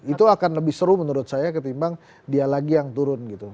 itu akan lebih seru menurut saya ketimbang dia lagi yang turun gitu